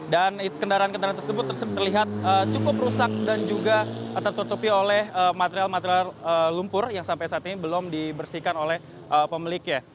dan kendaraan kendaraan tersebut terlihat cukup rusak dan juga tertutupi oleh material material lumpur yang sampai saat ini belum dibersihkan oleh pemiliknya